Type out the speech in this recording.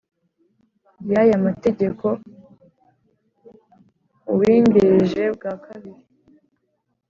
Ya y aya mategeko uwungirije bwa kabiri